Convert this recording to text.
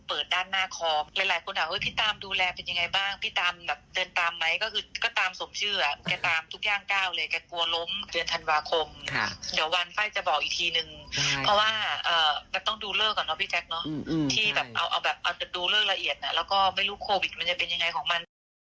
เอาแบบเอาแต่ดูเลิกละเอียดนะแล้วก็ไม่รู้โควิดมันจะเป็นยังไงของมัน